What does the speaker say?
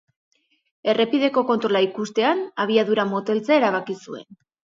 Errepideko kontrola ikustean abiadura moteltzea erabaki zuen.